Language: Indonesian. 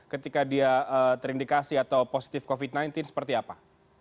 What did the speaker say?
ketika dia terindikasi atau positif covid sembilan belas seperti apa